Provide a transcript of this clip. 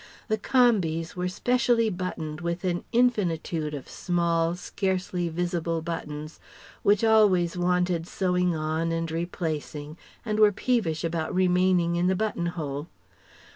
The "combies" were specially buttoned with an infinitude of small, scarcely visible buttons, which always wanted sewing on and replacing, and were peevish about remaining in the button hole.